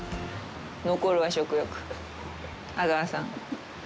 「残るは食欲」、阿川さん。